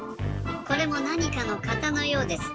これもなにかの型のようです。